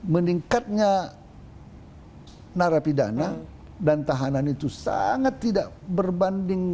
meningkatnya narapidana dan tahanan itu sangat tidak berbanding